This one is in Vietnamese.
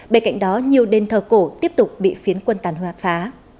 bên cạnh đó nhiều đền thờ cổ tiếp tục bị phiến quân tàn phá